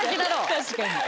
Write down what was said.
確かに。